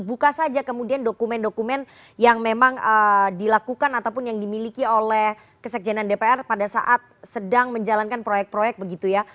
buka saja kemudian dokumen dokumen yang memang dilakukan ataupun yang dimiliki oleh kesekjenan dpr pada saat sedang menjalankan proyek proyek begitu ya